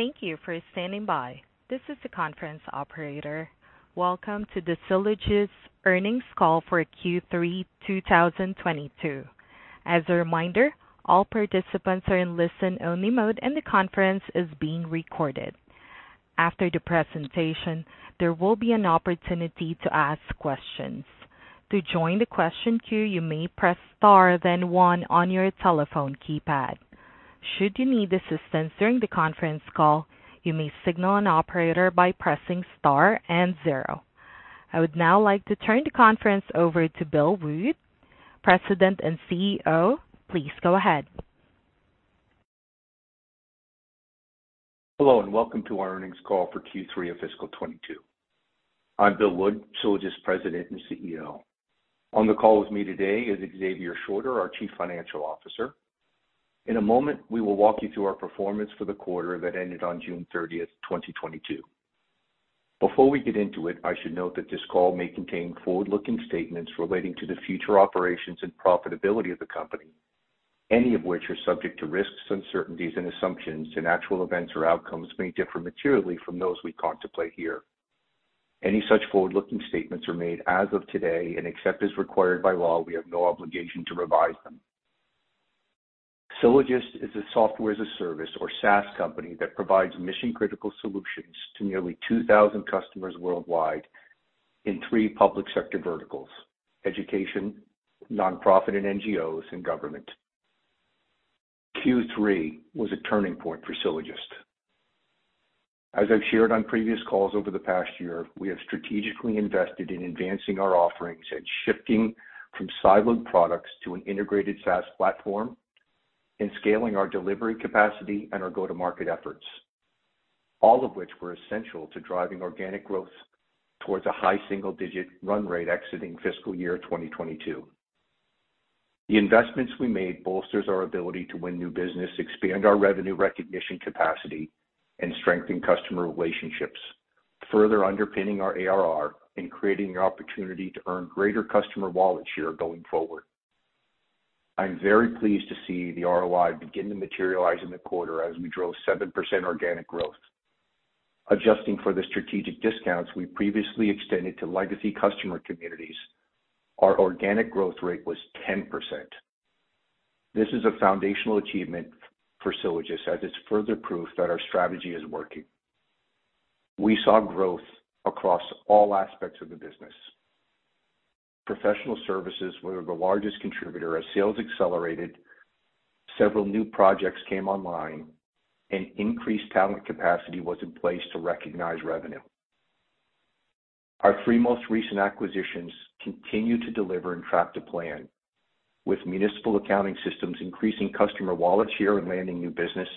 Thank you for standing by. This is the conference operator. Welcome to the Sylogist Earnings Call for Q3 2022. As a reminder, all participants are in listen-only mode, and the conference is being recorded. After the presentation, there will be an opportunity to ask questions. To join the question queue you may press Star then one on your telephone keypad. Should you need assistance during the conference call, you may signal an operator by pressing Star and zero. I would now like to turn the conference over to Bill Wood, President and CEO. Please go ahead. Hello and welcome to our earnings call for Q3 of fiscal 2022. I'm Bill Wood, Sylogist President and CEO. On the call with me today is Xavier Shorter, our Chief Financial Officer. In a moment, we will walk you through our performance for the quarter that ended on June 30th, 2022. Before we get into it, I should note that this call may contain forward-looking statements relating to the future operations and profitability of the company, any of which are subject to risks, uncertainties, and assumptions, and actual events or outcomes may differ materially from those we contemplate here. Any such forward-looking statements are made as of today and except as required by law, we have no obligation to revise them. Sylogist is a software-as-a-service or SaaS company that provides mission-critical solutions to nearly 2,000 customers worldwide in three public sector verticals, education, nonprofit and NGOs, and government. Q3 was a turning point for Sylogist. As I've shared on previous calls over the past year, we have strategically invested in advancing our offerings and shifting from siloed products to an integrated SaaS platform and scaling our delivery capacity and our go-to-market efforts, all of which were essential to driving organic growth towards a high single-digit run rate exiting fiscal year 2022. The investments we made bolsters our ability to win new business, expand our revenue recognition capacity, and strengthen customer relationships, further underpinning our ARR and creating the opportunity to earn greater customer wallet share going forward. I'm very pleased to see the ROI begin to materialize in the quarter as we drove 7% organic growth. Adjusting for the strategic discounts we previously extended to legacy customer communities, our organic growth rate was 10%. This is a foundational achievement for Sylogist as it's further proof that our strategy is working. We saw growth across all aspects of the business. Professional services were the largest contributor as sales accelerated, several new projects came online, and increased talent capacity was in place to recognize revenue. Our three most recent acquisitions continue to deliver and track to plan. With Municipal Accounting Systems increasing customer wallet share and landing new business,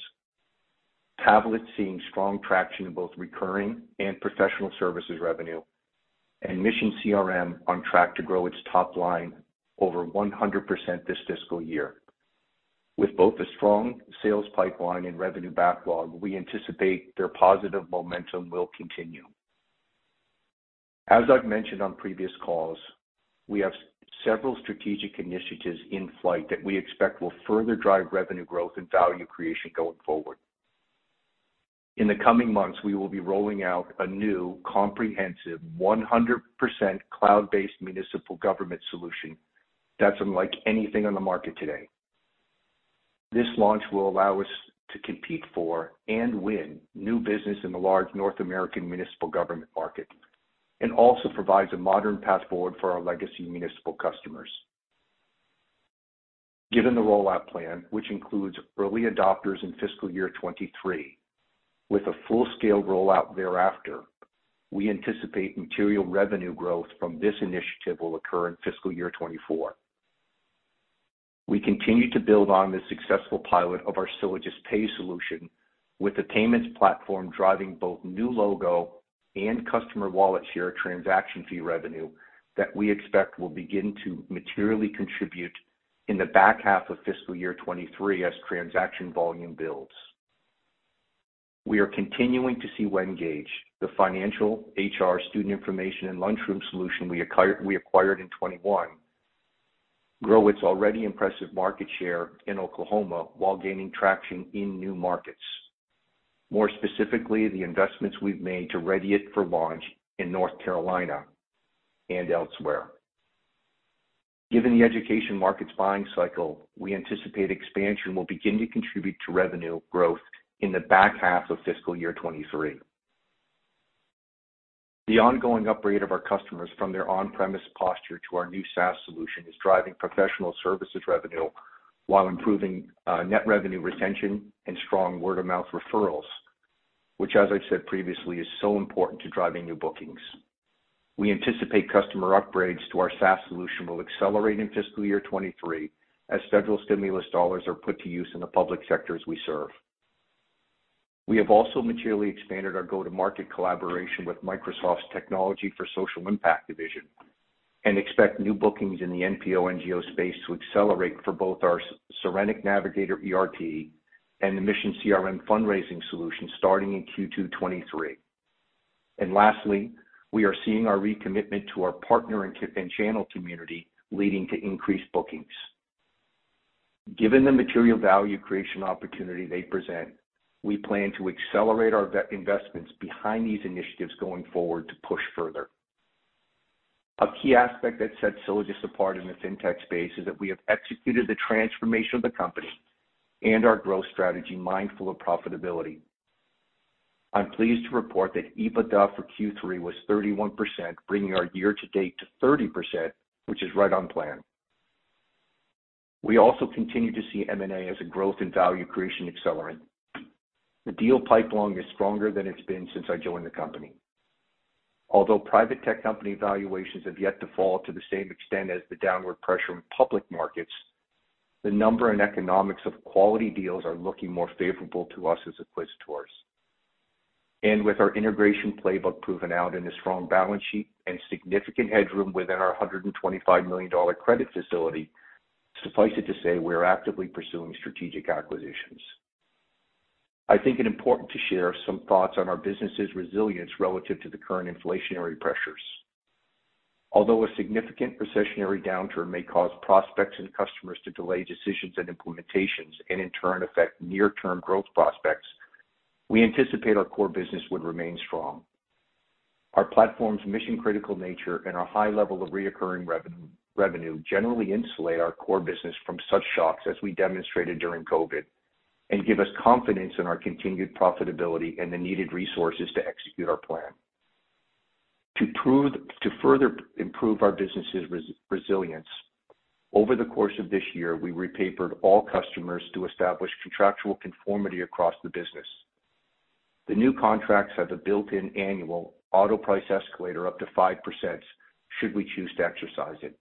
Pavliks seeing strong traction in both recurring and professional services revenue, and MissionCRM on track to grow its top line over 100% this fiscal year. With both a strong sales pipeline and revenue backlog, we anticipate their positive momentum will continue. As I've mentioned on previous calls, we have several strategic initiatives in flight that we expect will further drive revenue growth and value creation going forward. In the coming months, we will be rolling out a new comprehensive 100% cloud-based municipal government solution that's unlike anything on the market today. This launch will allow us to compete for and win new business in the large North American municipal government market and also provides a modern path forward for our legacy municipal customers. Given the rollout plan, which includes early adopters in fiscal year 2023 with a full-scale rollout thereafter, we anticipate material revenue growth from this initiative will occur in fiscal year 2024. We continue to build on the successful pilot of our SylogistPay solution, with the payments platform driving both new logo and customer wallet share transaction fee revenue that we expect will begin to materially contribute in the back half of fiscal year 2023 as transaction volume builds. We are continuing to see WenGAGE, the financial, HR, student information, and lunchroom solution we acquired in 2021, grow its already impressive market share in Oklahoma while gaining traction in new markets. More specifically, the investments we've made to ready it for launch in North Carolina and elsewhere. Given the education market's buying cycle, we anticipate expansion will begin to contribute to revenue growth in the back half of fiscal year 2023. The ongoing upgrade of our customers from their on-premise posture to our new SaaS solution is driving professional services revenue while improving net revenue retention and strong word-of-mouth referrals, which as I've said previously, is so important to driving new bookings. We anticipate customer upgrades to our SaaS solution will accelerate in fiscal year 2023 as federal stimulus dollars are put to use in the public sectors we serve. We have also materially expanded our go-to-market collaboration with Microsoft's Tech for Social Impact division, and expect new bookings in the NPO, NGO space to accelerate for both our Serenic Navigator ERP and the MissionCRM fundraising solution starting in Q2 2023. Lastly, we are seeing our recommitment to our partner and channel community leading to increased bookings. Given the material value creation opportunity they present, we plan to accelerate our vet investments behind these initiatives going forward to push further. A key aspect that sets Sylogist apart in the fintech space is that we have executed the transformation of the company and our growth strategy mindful of profitability. I'm pleased to report that EBITDA for Q3 was 31%, bringing our year-to-date to 30%, which is right on plan. We also continue to see M&A as a growth and value creation accelerant. The deal pipeline is stronger than it's been since I joined the company. Although private tech company valuations have yet to fall to the same extent as the downward pressure in public markets, the number and economics of quality deals are looking more favorable to us as acquirers. With our integration playbook proven out in a strong balance sheet and significant headroom within our 125 million dollar credit facility, suffice it to say we're actively pursuing strategic acquisitions. I think it important to share some thoughts on our business's resilience relative to the current inflationary pressures. Although a significant recessionary downturn may cause prospects and customers to delay decisions and implementations and in turn affect near-term growth prospects, we anticipate our core business would remain strong. Our platform's mission-critical nature and our high level of recurring revenue generally insulate our core business from such shocks as we demonstrated during COVID, and give us confidence in our continued profitability and the needed resources to execute our plan. To further improve our business' resilience, over the course of this year, we repapered all customers to establish contractual conformity across the business. The new contracts have a built-in annual auto price escalator up to 5% should we choose to exercise it.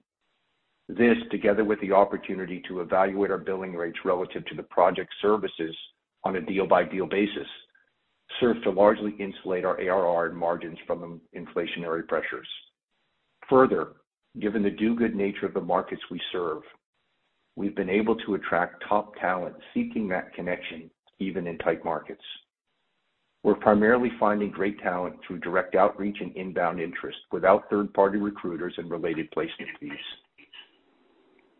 This, together with the opportunity to evaluate our billing rates relative to the project services on a deal-by-deal basis, serve to largely insulate our ARR and margins from inflationary pressures. Further, given the do-good nature of the markets we serve, we've been able to attract top talent seeking that connection even in tight markets. We're primarily finding great talent through direct outreach and inbound interest without third-party recruiters and related placement fees.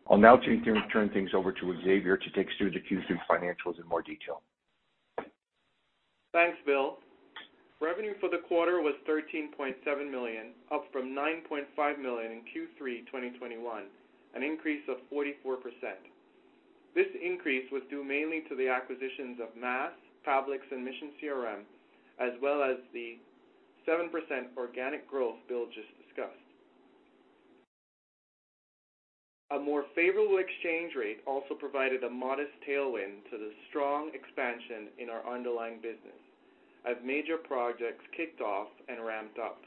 I'll now turn things over to Xavier to take us through the Q3 financials in more detail. Thanks, Bill. Revenue for the quarter was 13.7 million, up from 9.5 million in Q3 2021, an increase of 44%. This increase was due mainly to the acquisitions of MAS, Pavliks and MissionCRM, as well as the 7% organic growth Bill just discussed. A more favorable exchange rate also provided a modest tailwind to the strong expansion in our underlying business as major projects kicked off and ramped up.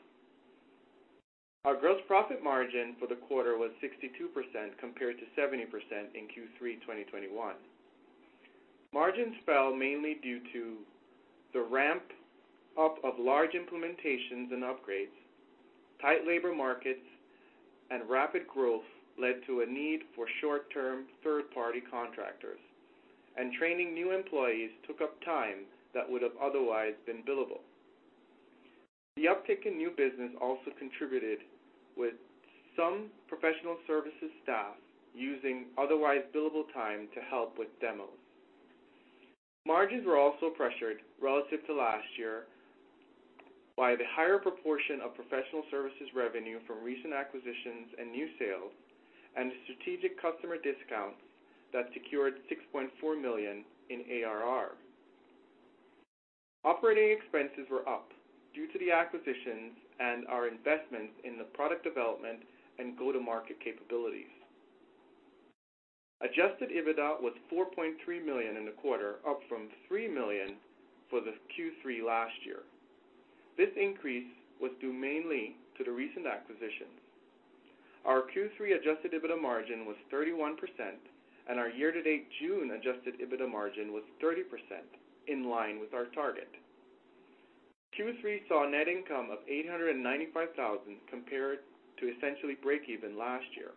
Our gross profit margin for the quarter was 62%, compared to 70% in Q3 2021. Margins fell mainly due to the ramp-up of large implementations and upgrades. Tight labor markets and rapid growth led to a need for short-term third-party contractors, and training new employees took up time that would have otherwise been billable. The uptick in new business also contributed, with some professional services staff using otherwise billable time to help with demos. Margins were also pressured relative to last year by the higher proportion of professional services revenue from recent acquisitions and new sales and strategic customer discounts that secured 6.4 million in ARR. Operating expenses were up due to the acquisitions and our investments in the product development and go-to-market capabilities. Adjusted EBITDA was 4.3 million in the quarter, up from 3 million for the Q3 last year. This increase was due mainly to the recent acquisitions. Our Q3 Adjusted EBITDA margin was 31%, and our year-to-date June Adjusted EBITDA margin was 30%, in line with our target. Q3 saw a net income of 895 thousand, compared to essentially break even last year.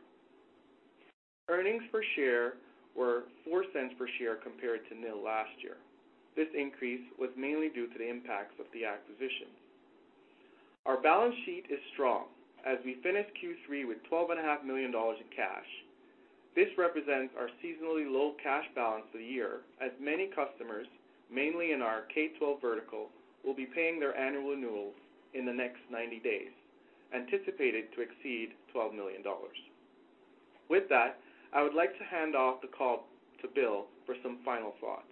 Earnings per share were 0.04 per share compared to nil last year. This increase was mainly due to the impacts of the acquisition. Our balance sheet is strong as we finish Q3 with 12.5 million dollars in cash. This represents our seasonally low cash balance of the year, as many customers, mainly in our K-12 vertical, will be paying their annual renewals in the next 90 days, anticipated to exceed 12 million dollars. With that, I would like to hand off the call to Bill for some final thoughts.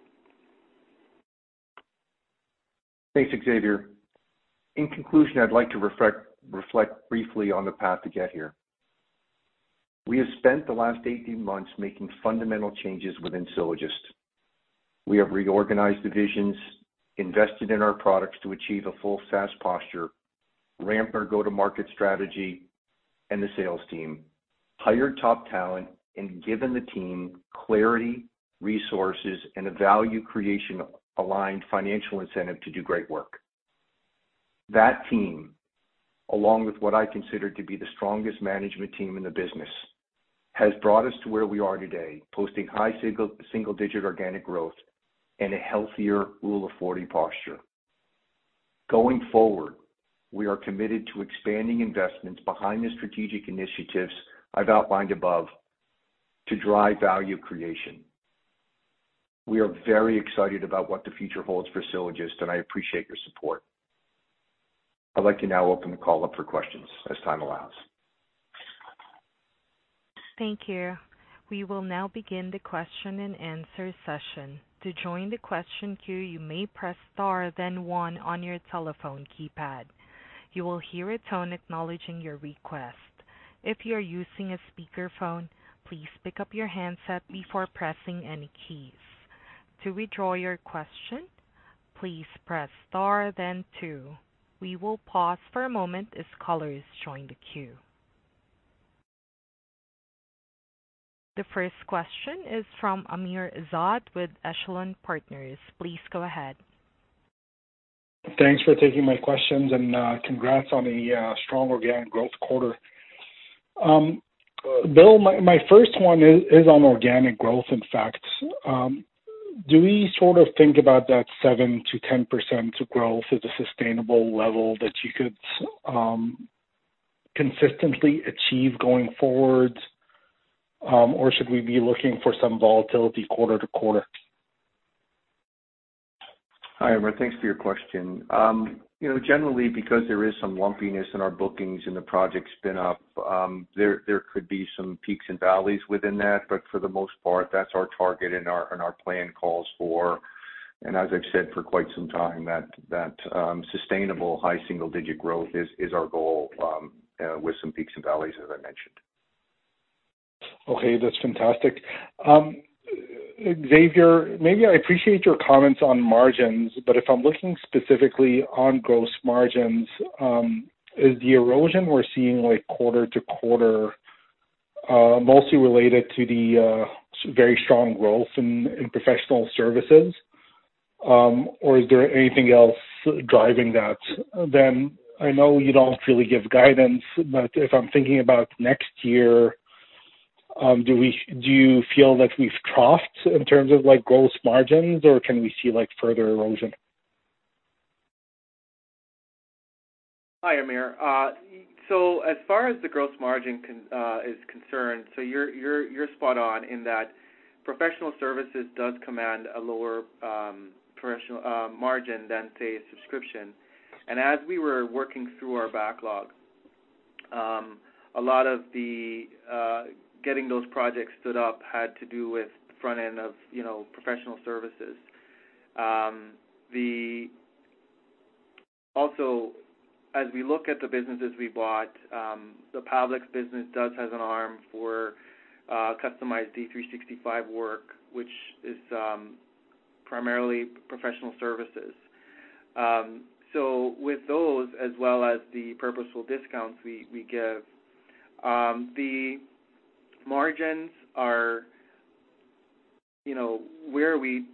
Thanks, Xavier. In conclusion, I'd like to reflect briefly on the path to get here. We have spent the last 18 months making fundamental changes within Sylogist. We have reorganized divisions, invested in our products to achieve a full SaaS posture, ramp our go-to-market strategy and the sales team, hired top talent, and given the team clarity, resources, and a value creation aligned financial incentive to do great work. That team, along with what I consider to be the strongest management team in the business, has brought us to where we are today, posting high single-digit organic growth and a healthier Rule of 40 posture. Going forward, we are committed to expanding investments behind the strategic initiatives I've outlined above to drive value creation. We are very excited about what the future holds for Sylogist, and I appreciate your support. I'd like to now open the call up for questions as time allows. Thank you. We will now begin the question-and-answer session. To join the question queue, you may press Star then one on your telephone keypad. You will hear a tone acknowledging your request. If you are using a speakerphone, please pick up your handset before pressing any keys. To withdraw your question, please press Star then two. We will pause for a moment as callers join the queue. The first question is from Amr Ezzat with Echelon Partners. Please go ahead. Thanks for taking my questions and congrats on the strong organic growth quarter. Bill, my first one is on organic growth, in fact. Do we sort of think about that 7%-10% growth as a sustainable level that you could consistently achieve going forward? Or should we be looking for some volatility quarter to quarter? Hi, Amr. Thanks for your question. You know, generally because there is some lumpiness in our bookings and the project spin up, there could be some peaks and valleys within that, but for the most part, that's our target and our plan calls for. As I've said for quite some time, that sustainable high single-digit growth is our goal, with some peaks and valleys, as I mentioned. Okay, that's fantastic. Xavier, maybe I appreciate your comments on margins, but if I'm looking specifically on gross margins, is the erosion we're seeing like quarter-over-quarter, mostly related to the very strong growth in professional services? Or is there anything else driving that? Then I know you don't really give guidance, but if I'm thinking about next year, do you feel like we've troughed in terms of like gross margins, or can we see like further erosion? Hi, Amr. So as far as the gross margin is concerned, you're spot on in that professional services does command a lower professional margin than, say, subscription. As we were working through our backlog, a lot of the getting those projects stood up had to do with front end of, you know, professional services. Also, as we look at the businesses we bought, the Pavliks business does have an arm for customized D365 work, which is primarily professional services. So with those, as well as the purposeful discounts we give, the margins are, you know, where we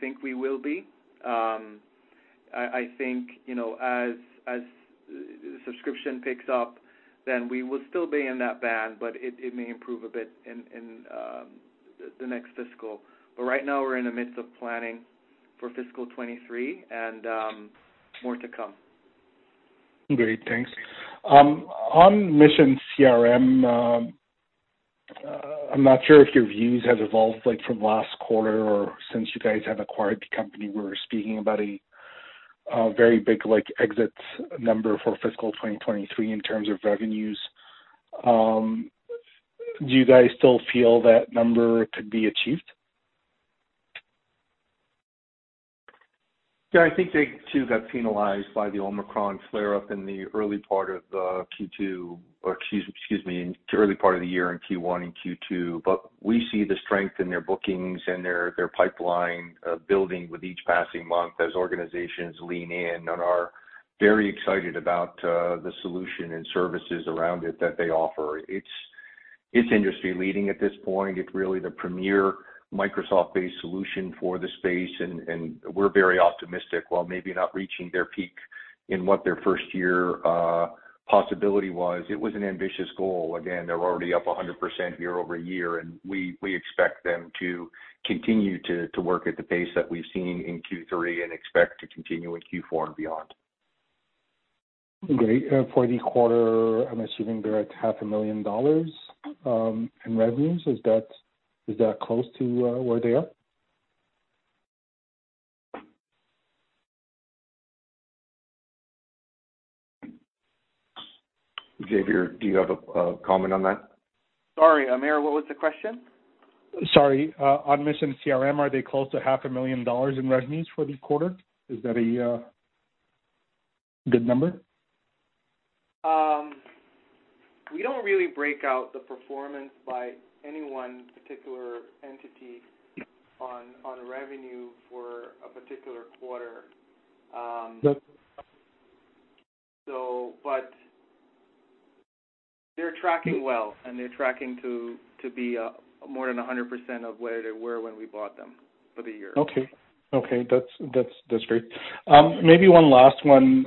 think we will be. I think, you know, as subscription picks up, then we will still be in that band, but it may improve a bit in the next fiscal. Right now we're in the midst of planning for fiscal 2023 and more to come. Great. Thanks. On MissionCRM, I'm not sure if your views have evolved like from last quarter or since you guys have acquired the company. We were speaking about a very big like exit number for fiscal 2023 in terms of revenues. Do you guys still feel that number could be achieved? Yeah, I think they too got penalized by the Omicron flare-up in the early part of the year in Q1 and Q2. We see the strength in their bookings and their pipeline building with each passing month as organizations lean in and are very excited about the solution and services around it that they offer. It's industry-leading at this point. It's really the premier Microsoft-based solution for the space, and we're very optimistic while maybe not reaching their peak in what their first year possibility was. It was an ambitious goal. Again, they're already up 100% year-over-year, and we expect them to continue to work at the pace that we've seen in Q3 and expect to continue in Q4 and beyond. Great. For the quarter, I'm assuming they're at half a million dollars in revenues. Is that close to where they are? Xavier, do you have a comment on that? Sorry, Amr, what was the question? Sorry. On MissionCRM, are they close to half a million dollars in revenues for the quarter? Is that a good number? We don't really break out the performance by any one particular entity on revenue for a particular quarter. Got you. They're tracking well, and they're tracking to be more than 100% of where they were when we bought them for the year. Okay, that's great. Maybe one last one.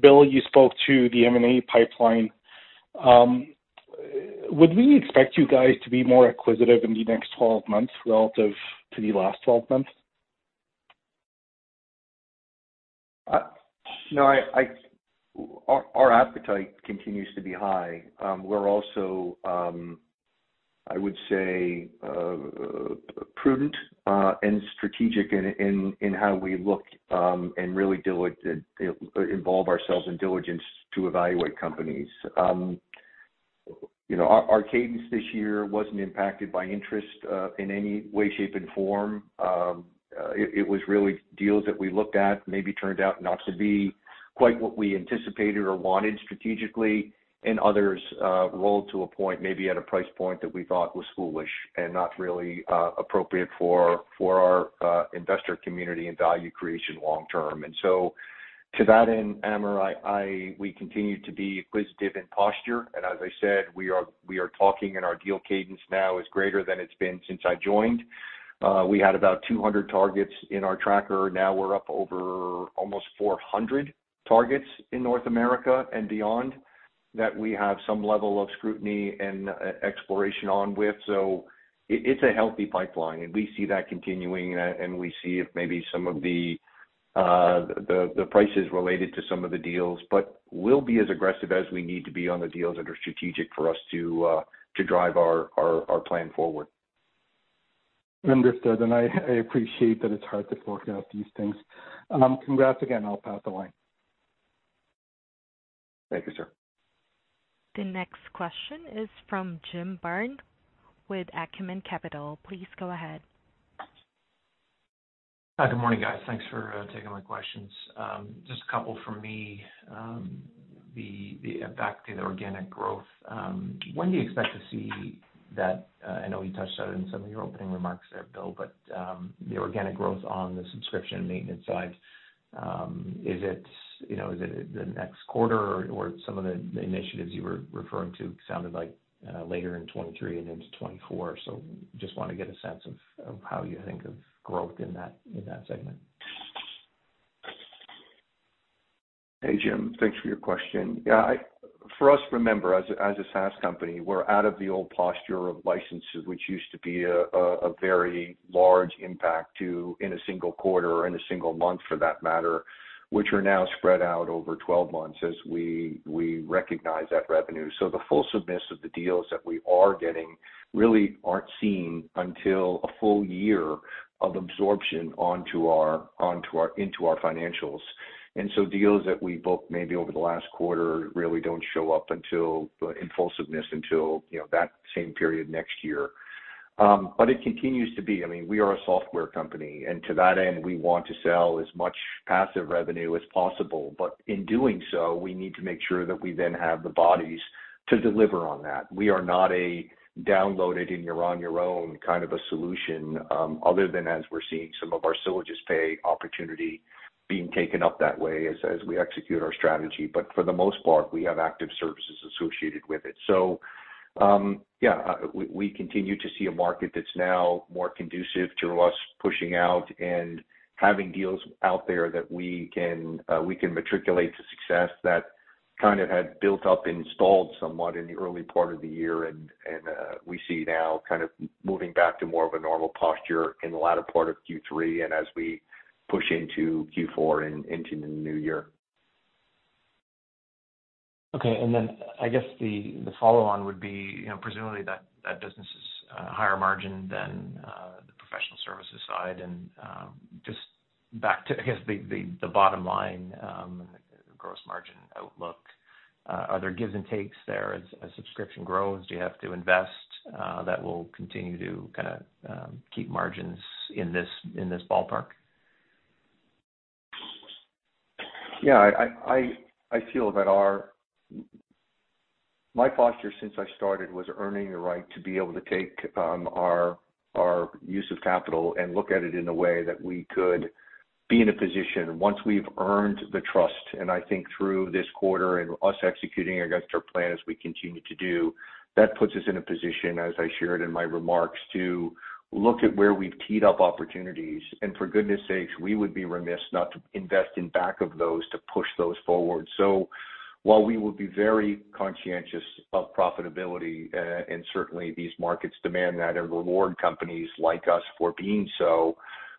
Bill, you spoke to the M&A pipeline. Would we expect you guys to be more acquisitive in the next 12 months relative to the last 12 months? No, our appetite continues to be high. We're also, I would say, prudent and strategic in how we look and really involve ourselves in diligence to evaluate companies. You know, our cadence this year wasn't impacted by interest in any way, shape, and form. It was really deals that we looked at maybe turned out not to be quite what we anticipated or wanted strategically, and others rolled to a point, maybe at a price point that we thought was foolish and not really appropriate for our investor community and value creation long term. To that end, Amr, we continue to be acquisitive in posture. As I said, we are talking and our deal cadence now is greater than it's been since I joined. We had about 200 targets in our tracker. Now we're up over almost 400 targets in North America and beyond that we have some level of scrutiny and exploration on with. It's a healthy pipeline, and we see that continuing and we see maybe some of the prices related to some of the deals, but we'll be as aggressive as we need to be on the deals that are strategic for us to drive our plan forward. Understood. I appreciate that it's hard to fork out these things. Congrats again. I'll pass the line. Thank you, sir. The next question is from Jim Byrne with Acumen Capital. Please go ahead. Hi, good morning, guys. Thanks for taking my questions. Just a couple from me. The back to the organic growth, when do you expect to see that? I know you touched on it in some of your opening remarks there, Bill, but the organic growth on the subscription and maintenance side, is it, you know, is it the next quarter or some of the initiatives you were referring to sounded like later in 2023 and into 2024. Just wanna get a sense of how you think of growth in that segment. Hey, Jim, thanks for your question. For us, remember, as a SaaS company, we're out of the old posture of licenses, which used to be a very large impact in a single quarter or in a single month for that matter, which are now spread out over 12 months as we recognize that revenue. So the fulsomeness of the deals that we are getting really aren't seen until a full year of absorption into our financials. Deals that we booked maybe over the last quarter really don't show up until, in fulsomeness until, you know, that same period next year. But it continues to be, I mean, we are a software company, and to that end, we want to sell as much passive revenue as possible. In doing so, we need to make sure that we then have the bodies to deliver on that. We are not a download it and you're on your own kind of a solution, other than as we're seeing some of our SylogistPay opportunity being taken up that way as we execute our strategy. For the most part, we have active services associated with it. We continue to see a market that's now more conducive to us pushing out and having deals out there that we can matriculate to success that kind of had built up and stalled somewhat in the early part of the year. We see now kind of moving back to more of a normal posture in the latter part of Q3 and as we push into Q4 and into the new year. Okay. I guess the follow on would be, you know, presumably that business is higher margin than the professional services side. Just back to, I guess, the bottom line, gross margin outlook, are there gives and takes there? As a subscription grows, do you have to invest that will continue to kinda keep margins in this ballpark? Yeah, I feel that my posture since I started was earning the right to be able to take our use of capital and look at it in a way that we could be in a position once we've earned the trust. I think through this quarter and us executing against our plan as we continue to do, that puts us in a position, as I shared in my remarks, to look at where we've teed up opportunities. For goodness sakes, we would be remiss not to invest in back of those to push those forward. While we will be very conscientious of profitability, and certainly these markets demand that and reward companies like us for being so,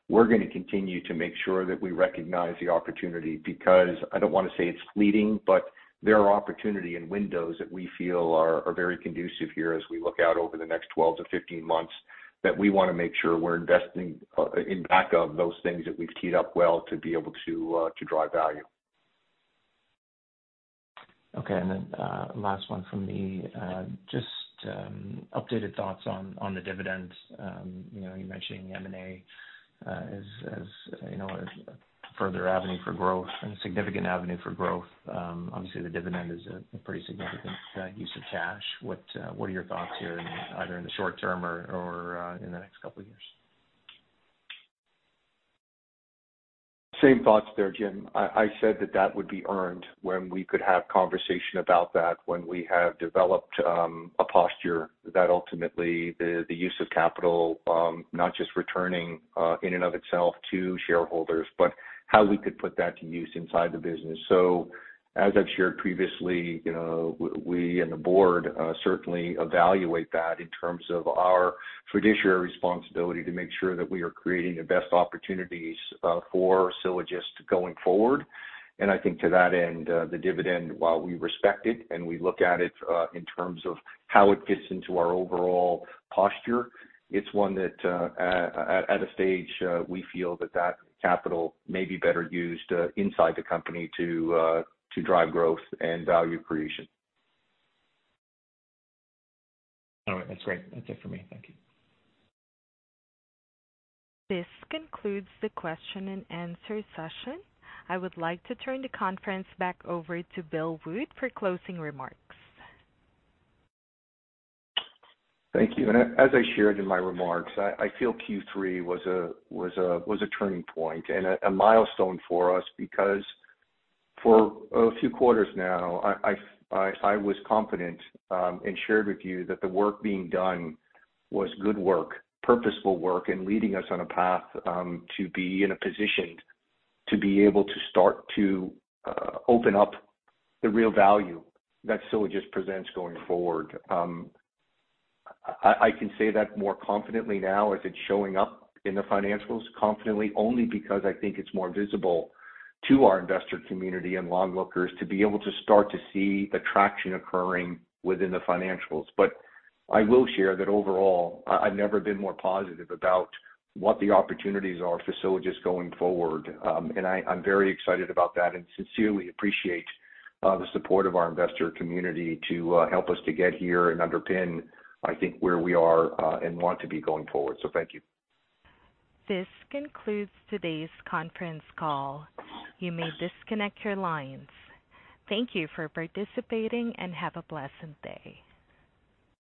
we're gonna continue to make sure that we recognize the opportunity because I don't wanna say it's fleeting, but there are opportunity and windows that we feel are very conducive here as we look out over the next 12-15 months, that we wanna make sure we're investing in back of those things that we've teed up well to be able to to drive value. Okay. Last one from me. Just updated thoughts on the dividends. You know, you mentioned M&A as you know a further avenue for growth and a significant avenue for growth. Obviously, the dividend is a pretty significant use of cash. What are your thoughts here, either in the short term or in the next couple of years? Same thoughts there, Jim. I said that would be earned when we could have a conversation about that, when we have developed a posture that ultimately the use of capital, not just returning in and of itself to shareholders, but how we could put that to use inside the business. So as I've shared previously, you know, we and the board certainly evaluate that in terms of our fiduciary responsibility to make sure that we are creating the best opportunities for Sylogist going forward. I think to that end, the dividend, while we respect it and we look at it in terms of how it fits into our overall posture, it's one that at a stage we feel that that capital may be better used inside the company to drive growth and value creation. All right. That's great. That's it for me. Thank you. This concludes the question and answer session. I would like to turn the conference back over to Bill Wood for closing remarks. Thank you. As I shared in my remarks, I feel Q3 was a turning point and a milestone for us because for a few quarters now, I was confident and shared with you that the work being done was good work, purposeful work, and leading us on a path to be in a position to be able to start to open up the real value that Sylogist presents going forward. I can say that more confidently now as it's showing up in the financials confidently, only because I think it's more visible to our investor community and onlookers to be able to start to see the traction occurring within the financials. I will share that overall, I've never been more positive about what the opportunities are for Sylogist going forward. I'm very excited about that and sincerely appreciate the support of our investor community to help us to get here and underpin, I think, where we are and want to be going forward. Thank you. This concludes today's conference call. You may disconnect your lines. Thank you for participating, and have a blessed day.